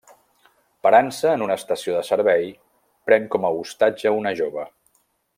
Parant-se en una estació de servei, pren com a ostatge una jove.